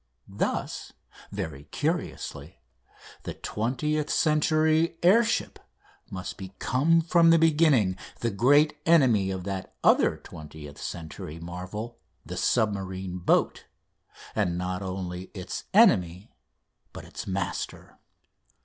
Thus, very curiously, the twentieth century air ship must become from the beginning the great enemy of that other twentieth century marvel the submarine boat and not only its enemy but its master.